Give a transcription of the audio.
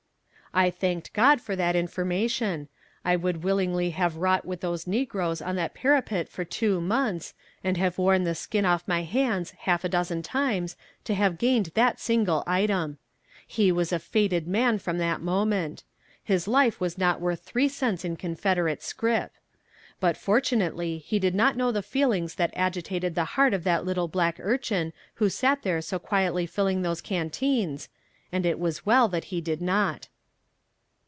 I thanked God for that information. I would willingly have wrought with those negroes on that parapet for two months, and have worn the skin off my hands half a dozen times, to have gained that single item. He was a fated man from that moment; his life was not worth three cents in Confederate scrip. But fortunately he did not know the feelings that agitated the heart of that little black urchin who sat there so quietly filling those canteens, and it was well that he did not.